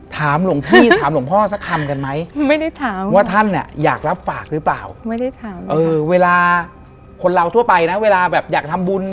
ถามหลวงพี่ถามหลวงพ่อสักคำกันไหม